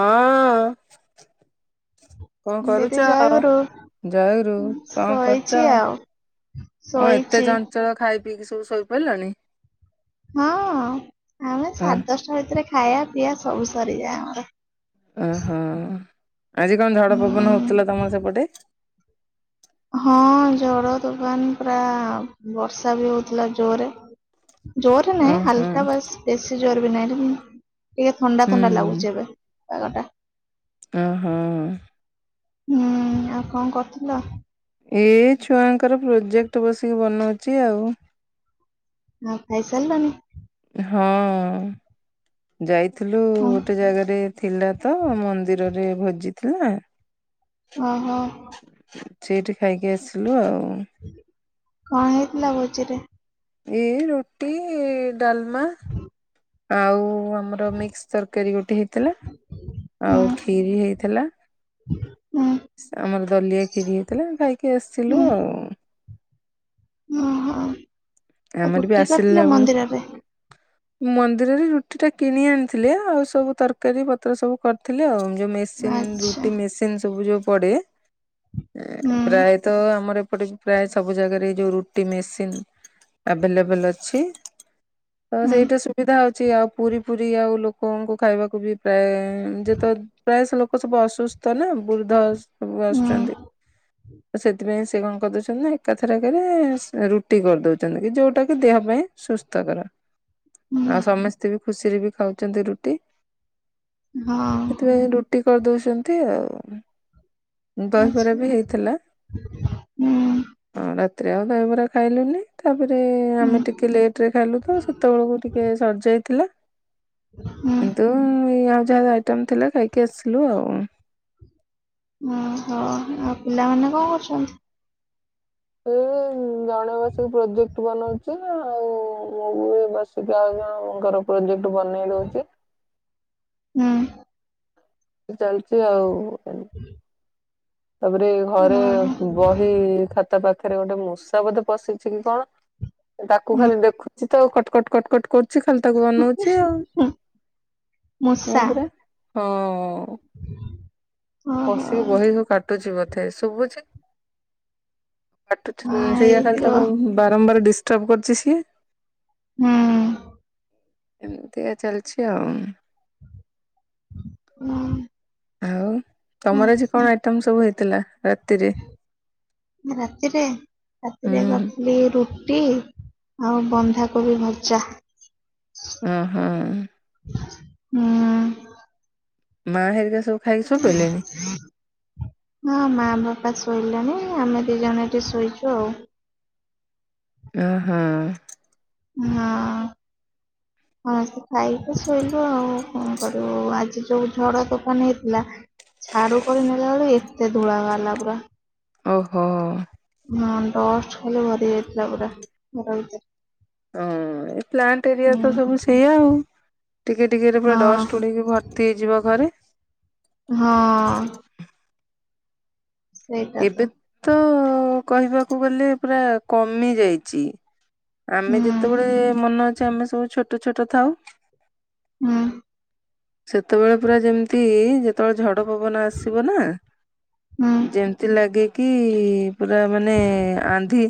ହଁ କଣ ଦିଦି କରୁଚ ଜୟଗୁରୁ ଜୟଗୁରୁ କଣ କରୁଚ ଶୋଇଛି ଆଉ କଣ ଏତେ ଶୋଇଛି ଚଞ୍ଚଳ ଖାଇ ପିକି ସବୁ ଶୋଇପରଲଣି? ହଁ ଆମେ ଅ ସାଢେ ଦଶଟା ଭିତରେ ଖାଇବା ପିଇବା ସବୁ ସରିଯାଏ ଆମର। ଓ ହୋ। ଆଜି କଣ ଝଡ ପବନ ହୁଁ। ହଉଥିଲା ତମର ସେପଟେ? ହଁ ଝଡ ତୋଫାନ ପୁରା ବର୍ଷା ବି ହଉଥିଲା ଜୋରେ। ଜୋରେ ନାହିଁ ଓହୋ ହଲକା ବାସ ବେଶୀ ଜୋର ବି ନାଇ ଟିକେ ଥଣ୍ଡା ଥଣ୍ଡା ଲାଗୁଚି ଏବେ। ପାଗଟା। ଓ ହୋ ହୁଁ ଆଉ କଣ କରୁଥୁଲ? ଏ ଛୁଆ ଙ୍କର ପ୍ରୋଜେକ୍ଟ ବସିକି ବନଉ ଚି ଆଉ। ହଁ ଖାଇସାରଲଣି? ହଁ ଯାଇ ଥିଲୁ ହଁ ଗୋଟେ ଜାଗାରେ ଥିଲା ତ ମନ୍ଦିର। ରେ ଭୋଜିଥିଲା। ଓ ହୋ। ସେଇଠି ଖାଇକି ଆସିଲୁ ଆଉ। କଣ ହେଇଥିଲା ଭୋଜିିରେ? ଏଇ ରୁଟି ଡାଲମା। ଆଉ ଆମର ମିକସ ତରକାରୀ ଗୋଟେ ହେଇଥିଲା ହୁଁ ଆଉ କ୍ଷୀରି ହେଇଥିଲା ହୁଁ ଆମର ଦଲିଆ ଖିରି ହେଇଥିଲା ଖାଇକି ଆସିଥିଲୁ ଆଉ। ହଁ ହଁ। ତା ଆମର ବି ରୁଟି ଆସିଲା କରିଥିଲେ ବେଳୁ ମନ୍ଦିରରେ। ମନ୍ଦିରରେ ରୁଟି ଟା କିଣି ଆଣିଥିଲେି ଆଉ ସବୁ ତରକାରୀ ପତ୍ର ସବୁ କରିଥିଲେି ଆଉ ଯୋଉ ମେସିନ୍ ରୁଟି ମେସିନ ସବୁ ଯୋଉ ପଡ଼େ। ପ୍ରାୟତଃ ଆମର ଏପଟେ ପ୍ରାୟ ସବୁ ଜାଗାରେ ଯୋଉ ରୁଟି ମେସିନ ଆଭେଲେବଲ ଅଛି। ତ ସେଇଟା ସୁବିଧା ହଉଛି। ଅଛି ଆଉ ପୁରୀ ପୁରୀ ଆଉ ଲୋକଙ୍କୁ ଖାଇବାକୁ ବି ପ୍ରାୟ ଯେତ ପ୍ରାୟଶ ଲୋକ ସବୁ ଅସୁସ୍ଥ ନା ବୃଦ୍ଧ ସବୁ ଆସୁଛନ୍ତି। ତ ସେଥିପାଇଁ ସେ କଣ କରିଦଉଛନ୍ତି ନା ଏକାଥରକରେ ରୁଟି କରିଦଉ ଛନ୍ତି ଯୋଉଟା କି ଦେହ ପାଇଁ ସୁସ୍ଥକର। ଆଉ ସମସ୍ତ ବି ଖୁସିରେ ବି ଖାଉଛନ୍ତି ରୁଟି। ସେଥିପାଇ ରୁଟି କରିଦଉ। ଛନ୍ତି ଆଉ। ଦହିବରା ବି ହେଇଥିଲା ରା ରାତିରେ ଆଉ ଦହିବରା ଖାଇଲେନି। ତାପରେ ଆମେ ଟିକେ ଲେଟ ରେ ଖାଇଲୁ ତ ସେତେବେଳକୁ ଟିକେ ସରିଯାଇଥିଲା। ହଁ। କିନ୍ତୁ ଏଇ ଆଉ ଯାହା ଆଇଟମ୍ ଥିଲା ଖାଇକି ଆସିଲୁ ଆଉ। ଓହୋ ଆଉ ପିଲାମାନେ କଣ କରୁଛନ୍ତି? ଏ ଜଣେ ବସିକି ପ୍ରୋଜେକ୍ଟ ବନଉଛି ଆଉ ମୁଁ ବି ଏ ବସିକି ଆଉ ଜଣଙ୍କର ପ୍ରୋଜେକ୍ଟ ବନେଇ ଦଉଛି। ହୁଁ ଚାଲିଛି ଆଉ। [inaudible] ତାପରେ ଘରେ ଓହୋ ବହି ଖାତା ପାଖ ଏଠାରେ ଗୋଟେ ମୂଷା ବୋଧେ ପଶିଛି କି କଣ ତାକୁ ହୁଁ, ଖାଲି ଦେଖୁଛି। ତ କଟକଟ କଟକଟ କର। କିଛି ଖାଲି ତାକୁ ଅନଉଛି ଆଉ ହୁଁ, ହଁ ମୂଷା ପରା। ହଁ। ଓହୋ ପଶିକି ହଁ ବହିକୁ କାଟୁଚି ବୋଧେ। ଏ ଶୁଭୁଚି। କାଟୁଚି ତ ସେୟା ଖାଲି ହେଇଥିବ କଣ ବାରମ୍ବାର ଡ଼ିସ। ସବୁ କରୁଛି ସିଏ। ହୁଁ। ଏମିତିକା ଚାଲିଛି ଆଉ ଉମ ଆଉ। ତମର ଆଜି କଣ ଆଇଟମ ସବୁ ହେଇଛି। ଥିଲା। ରାତିରେ ହୁଁ ରାତିରେ କରିଥିଲି ରୁଟି। ରୁଟି ଆଉ ବନ୍ଧାକୋବି ଭଜା। ଓ ହୋ। ହୁଁ। ମା ହେରିକା ସବୁ ଖାଇକି ଶୋଇପଇଲେଣି ହଁ ମା ବାପା ସବୁ। ଶୋଇଲାଣି ଆମେ ଦି ଜଣ ଏଠି ଶୋଇଛୁ ଆଉ। ଓ ହୋ। ହଁ। ସମସ୍ତେ ଖାଇକି ଶୋଇଲୁ ଆଉ କଣ କରିବୁ ଆଜି ଯୋଉ ଝଡ ତୋଫାନ ହେଇଥିଲା ଝାଡୁ କରି ନେଲାବେଳୁ ଏତେ ଧୁଳା ବାହାରିଲା ପୁରା। ଓହୋ। ହଁ ଡଷ୍ଟ ଖାଲି ଭରି ଯାଇଥିଲା ପୁରା ଘର ଭିତରେ। ହଁ ଏ ପ୍ଲାଣ୍ଟ ଏରିଆରେ ତ ହୁଁ ସବୁ ସେଇଆ ଆଉ। ଟିକେ ଟିକେରେ ପୁରା ଡଷ୍ଟ ହଁ ଉଡ଼ିକି ଭର୍ତ୍ତି ହେଇଯିବ ଘରେ। ହଁ। ଏବେ ତ ହ କହିବାକୁ ଗଲେ ପୁରା କମି ଯାଇଛି। ହୁଁ ଆମେ ଯେତେବେଳେ ମନେ ଅଛି ଆମେ ସବୁ ଛୋଟ୍ ଛୋଟ ଛୋଟ ଥାଉ ହଁ। ସେତେବେଳେ ପୁରା ଯେମିତି ଇ ଯେତେବେଳେ ଝଡ୍ ଡ ପବନ ଆସିବ ନା ହୁଁ ଯେମ୍ ଲାଗେ କି ପୁରା ମାନେ ଏ ଆନ୍ଧି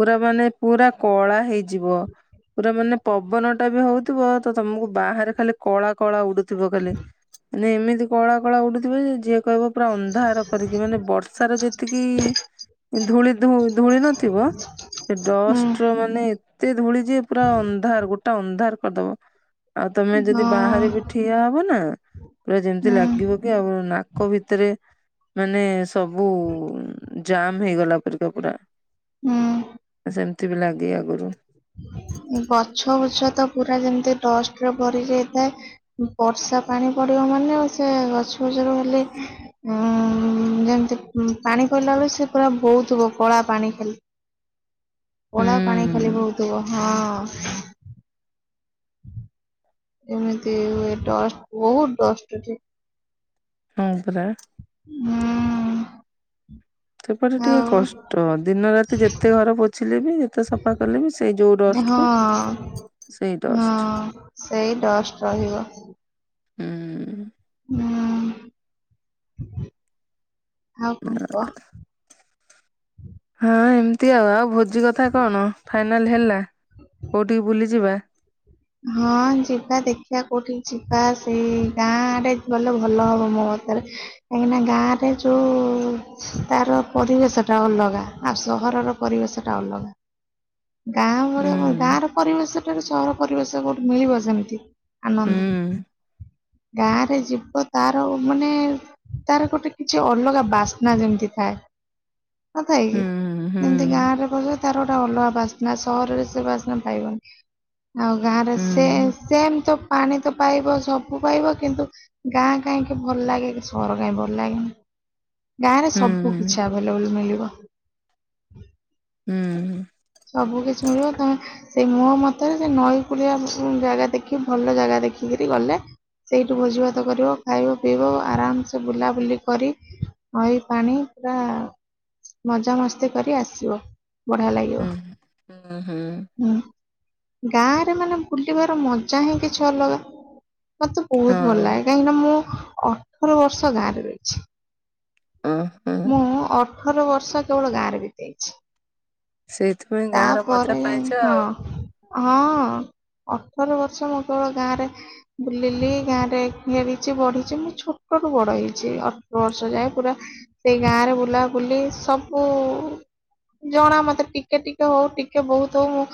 ପୁରା ମାନେ ପୁରା କଳା ହେଇଯିବ। ପୁରା ମାନେ ପବନ ଟା ବି ହଉଥିବ ତ ତମକୁ ବାହାରେ ଖାଲି କଳା କଳା ଉଡୁ ଥିବ ଖାଲି। ମାନେ ଏମିତି କଳା କଳା ଉଡୁଥିବ ଯେ ଝିଅ କହିବ ପୁରା ଅନ୍ଧାର କରିକି ମାନ ବର୍ଷ ର୍ଷାର ଯେତିକି ଇ ଧୂଳି ଧୁ ଧୁଳି ନଥିବ, ସେ ହୁଁ ଡଷ୍ଟର ମାନେ ଏତେ ଧୂଳି ଯେ ପୁରା ଅନ୍ଧାର୍ ଗୋଟା ଅନ୍ ଧାର୍ କରିଦବ। ଆଉ ତମେ ହଁ ଯଦି ବାହାରେ ବି ଠିଆ ହବ ନା ଆ ପୁରା ଯେମିତି ଲାଗିବ ହୁଁ କି ଆଉ ନାକ ଭିତରେ ମାନେ ସବୁ ଉ ଯାମ୍ ହେଇଗଲା ପରିକା ପୁରା ହୁଁ ସେମ୍ ତି ବି ଲାଗେ ଆଗରୁ ଗଛ ବଛ ତ ପୁରା ଯେମିତି ଡଷ୍ଟ ରେ ଭରି ଯାଇଥାଏ, ବର୍ଷା ପାଣି ପଡିବ ମାନେ ସେ ଗଛ ବଛରୁ ଖାଲି ଆ ଯେମିତି ମ୍ ପାଣି ପଇଲା ବେଳେ ସେ ପୁରା ବୋହୁଥିବ କଳା ପାଣି ଖାଲି। କଳା ପାଣି ଖାଲି ହୁଁ। ବୋହୁଥିବ ହଁ। ହଁ। ଏମିତି ହୁଏ ଡଷ୍ଟ ବହୁତ ଡଷ୍ଟ ଅଛି। ହୁଁ। ପ୍ରା ହୁଁ। ସେପଟେ ଟିକେ ଆଉ କଷ୍ଟ ଅ ଦିନ ରାତି ଯେତେ ଘର ପୋଛିଲେ ବି ଯେତେ ସଫା କଲେ ବି ସେଇ ଯଉ ଡଷ୍ଟ ହଁ କୁ ସେଇ ଡଷ୍ଟ। ହଁ ସେଇ ଡଷ୍ଟ ରହିବ। ହୁଁ। ହୁଁ। ଆଉ କଣ କୁହ? ହଁ ଏମିତି ଆଉ ଆଉ ବୁଧ୍ ଜି କଥା କଣ, ଫାଇନାଲ ହେଲା କୋଉଠିକି ବୁଲି ଯିବା? ହଁ ଯିବା ଦେଖିଆ କୋଉଠିକି ଯିବା, ସେ ଏ ଗାଁ ଆଡେ ଗଲେ ଭଲ ହବ ମୋ ମତରେ, କାହିଁକିନା ଗାଁ ରେ ଯୋ ଓ ତାର ପରିବେଶ ଟା ଅଲଗା ଆଉ ସହରର ପରିବେଶ ଟା ଅଲଗା। ଗାଁ ହୁଁ ଭଳିଆ କନ୍ ଗାଁ ର ପରିବେଶଟାରୁ ସହର ପରିବେଶ କଉଠି ମିଳିବ ସେମିତି ଆନନ୍ଦ, ହୁଁ ଗାଁରେ ଯିବ ତାର ମାନେ ଏ ତାର ଗୋଟେ କିଛି ଅଲଗା ବାସ୍ନା ଯେମିତି ଥାଏ, ନଥାଏ ହୁଁ କି ହୁଁ ଯେମିତି ଗାଁ ରେ ବସ ତାର ଗୋଟେ ଅଲଗା ବାସ୍ନା ସହରରେ ସେ ବାସ୍ନା ପାଇବନି। ଆଉ ଗାଁରେ ହୁଁ ସେ ସେମ ତ ପାଣି ତ ପାଇବ ସବୁ ପାଇବ କିନ୍ତୁ ଗାଁ କାହିଁକି ଭଲ ଲାଗେ କି ସହର କାହିଁକି ଭଲ ଲାଗେନି? ଗାଁରେ ହୁଁ ସବୁ ହୁଁ କିଛି ଆଭଲେବଲ ମିଳିବ। ହୁଁ। ସବୁ କିଛି ମିଳିବ ତମେ ସେଇ ମୋ ମତରେ ସେ ନଈ କଡ଼ିଆ ଜାଗା ଦେଖି ଭଲ ଜାଗା ଦେଖିକିରି ଗଲେ ସେଇଠୁ ଭୋଜିଭାତ କରିବ ଖାଇବ ପିଇବ ଆରାମସେ ବୁଲାବୁଲି କରି ନଈ ପାଣି ପୁରା ମଜାମସ୍ତି କରି ଆସିବ, ବଢିଆ ଲାଗିବ। ହୁଁ ହୁଁ। ଗାଁ ରେ ମାନେ ବୁଲିବାର ମଜା ହିଁ କିଛି ଅଲଗା। ମତେ ବହୁତ ଭଲ ଲାଗେ କାହିଁକିନା ମୁଁ ଅଠର ବର୍ଷ ଗାଁରେ ରହିଚି। ହଁ ହଁ ମୁଁ ଅ ଠର ବର୍ଷା କେବଳ ଗାଁ ରେ ବି ଦେଇଚି। ସେଇଥିପାଇଁ ଗାଁ ର ମଜା ପାଇଚ ହଁ ଆଉ। ହଁ ଅଠର ବର୍ଷ ମୁଁ କେବଳ ଗାଁରେ ବୁଲିଲି, ଗାଁ ରେ ଘେରିଛି ବଢିଚି। ମୁଁ ଛୋଟ ରୁ ବଡ ହେଇଚି। ଅଠର ବର୍ଷ ଯାଏ ପୁରା ସେଇ ଗାଁରେ ବୁଲାବୁଲି ସବୁ ଜଣା ମତେ। ଟିକେ ଟିକେ ହଉ ଟିକେ ବହୁତ ହଉ ମୁଁ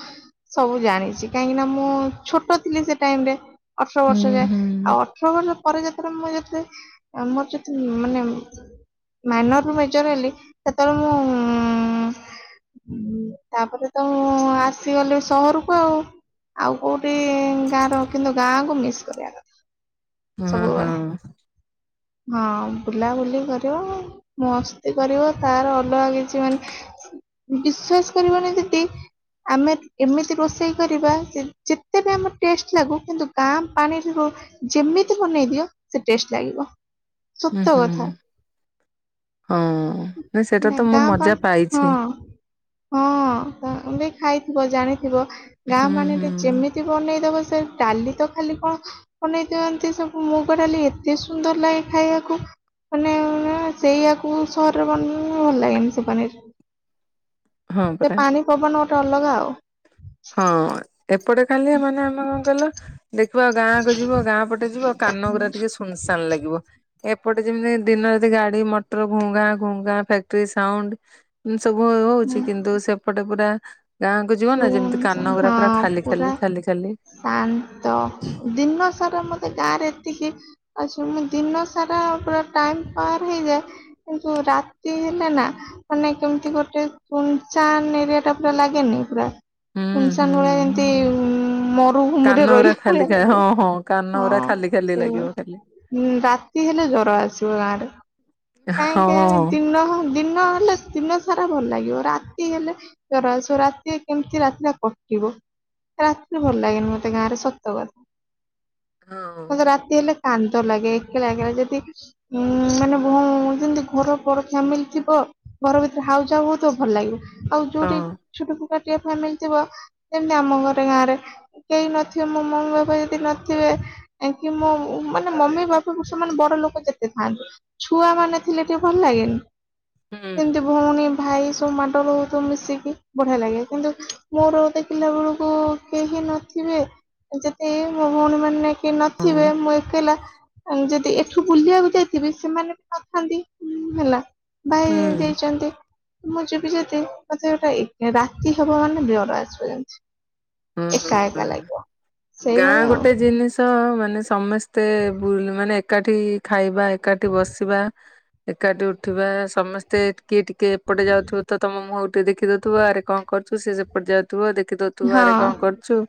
ସବୁ ଜାଣିଚି କାହିଁକି ନା ମୁଁ ଛୋଟ ଥିଲି ସେ ଟାଇମ ରେ। ଅଠର ହୁଁ ବର୍ଷ ଯାଏ ହୁଁ ଆଉ ପରେ ଯେତେବେଳେ ମୁ ମୋର ମାନେ ମରୁ ମେଜର ହେଲି ସେତେବେଳେ ମୁଁ ତାପରେ ତ ମୁଁ ଆସିଗଲି ସହରକୁ ଆଉ ଆଉ କୋଉଠି ଗାଁର କିନ୍ତୁ ଗାଁ କ ମିସ୍ କରିବା କଥା ହଁ ହଁ ସବୁବେଳେ ହଁ ବୁଲାବୁଲି କରିବ ମସ୍ତି କରିବ ତାର ଅଲଗା କିଛି ମାନେ ବିଶ୍ଵାସ କରିବନି ଯଦି ଆମେ ଏମିତି ରୋଷେଇ କରିବା ଯେତେ ବି ଆମ ଟେଷ୍ଟ ଲାଗୁ କିନ୍ତୁ ଗା ପାଣି ର ଯେମିତି ବନେଇ ଦିଅ ସେ ଟେଷ୍ଟ ଲାଗିବ ହୁଁ ସତ ହୁଁ କଥା ହୁ ହଁ ସେଇଟା ନା ତ ମୁଁ ଗାଁ ପାଣି ମଜା ହଁ ପାଇଛି ହଁ ତ ବି ଖାଇଥିବ ଜାଣିଥ ଥିବ ଗାଁ ହୁଁ ହୁଁ ମାନେରେ ଯେମିତି ବନେଇ ଦବ ସେ ଡାଲି ତ ଖାଲି କଣ ବନେଇ ଦିଅନ୍ତି ସବୁ ମୁଗ ଡାଲି ଏତେ ସୁନ୍ଦର ଲାଗେ ଖାଇବାକୁ ମାନେ ସେଇଆକୁ ସହରରେ ବନେଇ ଭଲ ଲାଗେନି ସେ ବନେଇ ହଁ ସେ ପରା ପାଣି ପବନ ଗୋଟେ ଅଲଗା ଆଉ ହଁ ଏପଟେ ଖାଲି ମାନେ ଆମେ କଣ କଲ ଦେଖିବା ଗାଁ କୁ ଯିବ ଗାଁ ପଟେ ଯିବ କାନ ଗୁରା ଟିକେ ସୁନସାନ୍ ଲାଗିବ ଏପଟେ ଯେମିତି ଦିନ ଯଦ ଗାଡି ମଟର ଘୁଙ୍ଗା ଘୁଙ୍ଗା ଫକ୍ଟି ସାଉଣ୍ଡ ସବୁ ହଉଛି ସେପଟକୁଡ଼ା ସୁ ହଁ ପୁରା ଖାଲି ଖାଲି ଖାଲି ଶାନ୍ତ ଦିନ ସାରା ମତେ ଗାଁରେ ଏତିକି ଆକି ମୁଁ ଦିନ ସାରା ପୁରା ଟାଇାର ହେଇଯାଏ କିନ୍ତୁ ରାତି ହେଲେ ନା ମାନେ କେମିତି ଗୋଟେ ତୁଚନ୍ ଏରିଆ ଟା ପୁରା ଲାଗେନି ପୁରା ହୁଁ ହୁଁ ସୁନସାନ ଭଳିଆ ଯେମିତି ହୁଁ। ମରୁଭୂମିରେ କାନ ଗୁରା ରହିଲା ଭଳିଆ ଖାଲି ଖା ଲାଗିବ ହଁ ହଁ କାନ ଗୁରା ଖାଲି ହଁ ଖାଲି ଲାଗିବ ଖାଲି ସେଇଳି ରାତି ହେଲେ ଜର ଆସିବ ଗାଁରେ ହଁ। କାହିଁକି ଦିନ ଦିନ ହେଲେ ଦିନ ସାରା ଭଲ ଲାଗିବ ରାତି ହେଲେ ରାତି ଏମିତି ରାତିଟା କଟିବ ରାତିରେ ଭଲ ଲାଗେନି ମତେ ଗାଁରେ ସତ କଥା ହଁ ମ ରାତି ହେଲା କାନ୍ଦ ଲାଗେ ଏକେଳା ଯଦି ଉଁ ମାନେଉ ଯେମତି ଘର ଫ୍ୟାମିଲି ଥିବ ଘର ଭିତରେ ହାଉ ଯାଉ ହଉତ ଭଲ ଲାଗିବ। ଆଉ ହଁ ଯୋଉଠି ଛୋଟ ଟିକେ ଫ୍ୟାମିଲି ଥିବ ସେମିତି ଆମ ଘରେ ଗାଁ ରେ କେହି ନଥିବେ ମୋ ମମି ବାପା ଯଦି ନଥିବେ କି ମୋ ମାନେ ମମି ବାପା ସେମାନେ ବଡ ଲୋକ ଯେତେ ଥାନ୍ତି ଛୁଆ ମାନେ ଥିଲେ ଟିକେ ଭଲ ଲାଗେନି। ହଁ ଯେମିତି ହୁଁ ଭଉଣୀ ଭାଇ ସବୁ ମାଡଳ ହଉଥିବୁ ମିଶିକି ବଢିଆ ଲାଗେ। କିନ୍ତୁ ମୋର ଦେଖିଲା ବେଳକୁ କେହି ନଥିବେ ଯେଦି ମୋ ଭଉଣୀ ମାନେ କି ହଁ ନଥିବେ ମୁଁ ଏକଲା ଯଦି ଏଠୁ ବୁଲିବାକୁ ଯାଇଥିବେ ସେମାନେ ବି ନଥାନ୍ତି ହେଲା। ଭାଇ ହୁଁ ଯାଇଛନ୍ତି ମୁଁ ଯିବି ଯେତିି ମତେ ଗୋଟେ ଏକାଟା କି ହବ ମାନେ ଜର ଆସିବ ଯା ହୁଁ ହୁଁ ଗାଁ ସେଇଭଳିଆ ଆଉ ଗୋଟେ ଜିନିଷ ମାନେ ସମସ୍ତେ ଏତେ ବୁଲୁ ମାନେ ଏ ଏକାଠି ଖାଇବା ଏକାଠି ବସିବା ଏକାଠି ଉଠିବା ସମସ୍ତେ ଟିକିଏ ଟି କି ଏପଟେ ଯାଉଥିବ ତମ ମୁଁ ଗେ ଦେଖିଦଉଥିବ ଆରେ କଣ କରୁଚୁ ସେ ସେପଟେ ଯାଉଥିବ ଦେ ଦେଖି ଦୋଉଥିବ ହଁ ଆରେ କଣ କରୁଛୁ?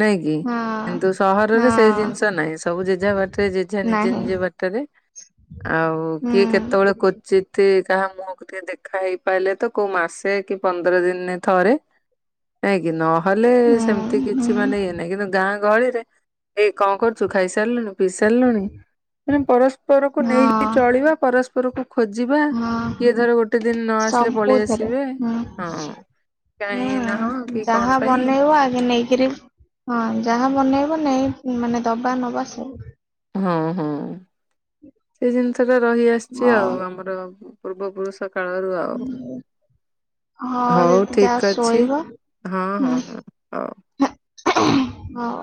ନାଇଁ କିି ହଁ କିନ୍ତୁ ସହରରେ ସେଇ ହଁ ଜିନିଷ ନାହିଁ ସବୁ ଜେଜା ବାଟରେ ଜେଜା ନିଜେ ନାହିଁ ନିଜେ ବାଟରେ ଆଉ ହୁଁ କିଏ କେତେବେଳେ କୁଚି ଯାହା ମୁହଁକୁ ଟିକେ ଦେଖା ହେଇପାରିଲେ ତ କୋଉ ମାସେ କି ପନ୍ଦର ଦିନ ଥରେ ନାଇଁକି ନ ହେଲେ ହୁଁ ସେମିତି କିଛି ହୁଁ ମାନେ ଇଏ ନାହିଁ କିନ୍ତୁ ଗାଁ ଗଳିରେ ଏଇ କଣ କରୁଛୁ ଖାଇସାରିଲୁଣୁ? ପି ସାରିଲୁଣି ମାନେ ପରସ୍ପରକୁ ନେଇକି ହଁ ଚଳିବା ପରସ୍ପ ଘରକୁ ଖୋଜିବା ହଁ। କିଏ ଧର ଗୋଟେ ଦିନ ନ ଆସିଲେ ପଳେଇ ସବୁଥିରେ ଆସିବେ ହୁଁ ହଁ କାଇଁ ନା ହଁ ହୁଁ କି କଣ ଯାହା ପାଇଁ ବନେଇବ ଆଗ ନେଇକିରି ହଁ ହଁ ଯାହା ବନେଇବ ନେଇ ମାନେ ଦବା ନବା ସବୁ ହଁ ହଁ ସେ ଜିନିଷ ସେଟା ରହିଆସିଛି ହଉ ଆଉ ଆମର ପୂର୍ବ ପୁରୁଷ କାଳରୁ ଆଉ ହଉ ଦିଦି ଯାଅ ଠିକ୍ ଅଛି ଶୋଇବ ହଁ ହଁ ହଁ ହଉ। ହଁଉ।